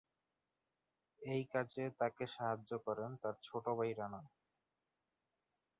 এই কাজে তাকে সাহায্য করেন তার ছোট ভাই রানা।